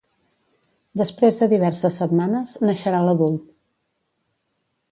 Després de diverses setmanes naixerà l'adult.